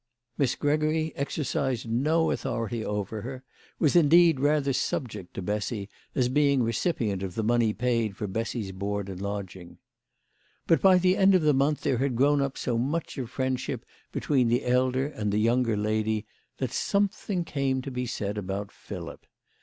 Miss Gregory exercised 156 THE LADY OF LAUNAY. no authority over her, was indeed rather subject to Bessy, as being recipient of the money paid for Bessy's board and lodging. But by the end of the month there had grown up so much of friendship between the elder and the younger lady, that something came to be said about Philip.